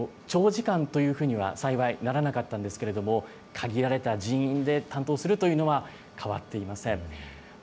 長時間というふうには幸いならなかったんですけれども、限られた人員で担当するというのは変わっていません。